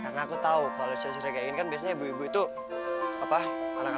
karena aku tahu kalo saya suriagain kan biasanya ibu ibu itu anak anaknya